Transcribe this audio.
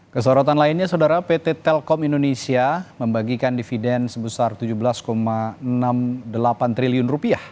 kesorotan lainnya saudara pt telkom indonesia membagikan dividen sebesar rp tujuh belas enam puluh delapan triliun